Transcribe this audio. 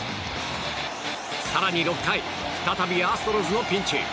更に６回再びアストロズのピンチ。